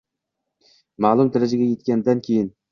ma’lum darajaga yetgandan keyin